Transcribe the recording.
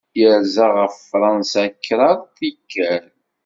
Yerza ɣef Fṛansa kraḍ tikkal.